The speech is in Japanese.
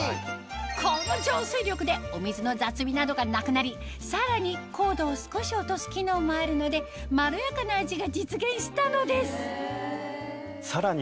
この浄水力でお水の雑味などがなくなりさらに硬度を少し落とす機能もあるのでまろやかな味が実現したのですさらに